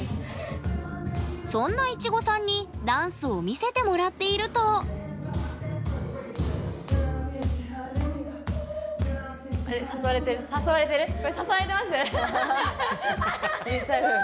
そんないちごさんにダンスを見せてもらっているとフリースタイル。